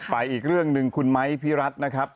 ไปอีกเรื่องหนึ่งคุณไมค์พิรัตรนะครับ